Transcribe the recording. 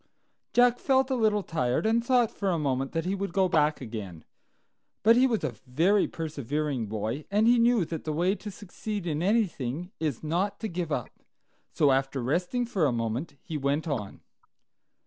Jack felt a little tired, and thought for a moment that he would go back again; but he was a very persevering boy, and he knew that the way to succeed in anything is not to give up. So, after resting for a moment, he went on.